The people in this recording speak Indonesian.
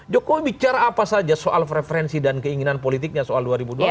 jokowi bicara apa saja soal preferensi dan keinginan politiknya soal dua ribu dua puluh empat